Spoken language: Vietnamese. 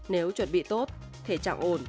nếu chuẩn bị tốt thể trạng ổn